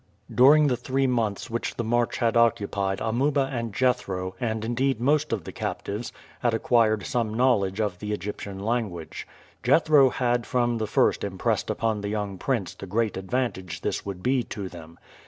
During the three months which the march had occupied Amuba and Jethro, and indeed most of the captives, had acquired some knowledge of the Egyptian language. Jethro had from the first impressed upon the young prince the great advantage this would be to them.